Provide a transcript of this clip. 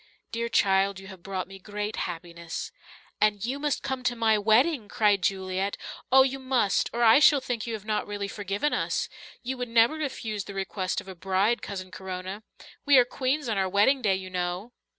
Dear child, you have brought me great happiness." "And you must come to my wedding," cried Juliet. "Oh, you must or I shall think you have not really forgiven us. You would never refuse the request of a bride, Cousin Corona. We are queens on our wedding day, you know."